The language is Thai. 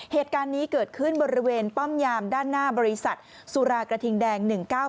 เหตุการณ์นี้เกิดขึ้นบริเวณป้อมยามด้านหน้าบริษัทสุรากระทิงแดง๑๙๙